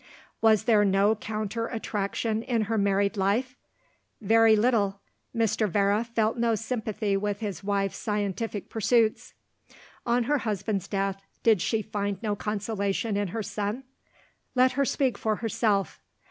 Was there no counter attraction in her married life? Very little. Mr. Vere felt no sympathy with his wife's scientific pursuits. On her husband's death, did she find no consolation in her son? Let her speak for herself.